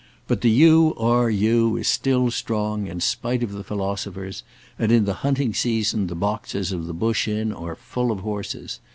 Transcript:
But the U. R. U. is still strong, in spite of the philosophers, and in the hunting season the boxes of the Bush Inn are full of horses.